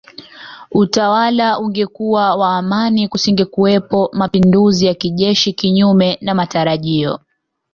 Utawala ungekuwa wa amani kusingekuwepo mapinduzi ya kijeshi Kinyume na matarajio